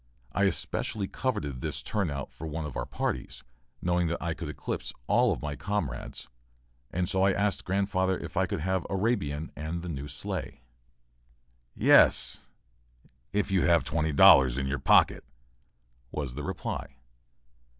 I especially coveted this turnout for one of our parties, knowing that I could eclipse all my comrades, and so I asked grandfather if I could have "Arabian" and the new sleigh. "Yes, if you have twenty dollars in your pocket," was the reply.